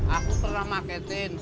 aku pernah marketin